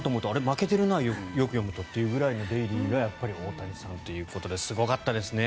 負けてるなよく読むとというくらいのデイリーがやっぱり大谷さんということですごかったですね。